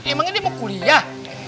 emang ini mau kuliah